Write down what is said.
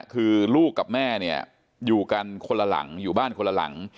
คือลูกกับแม่เนี่ยอยู่กันคนละหลังอยู่บ้านคนละหลัง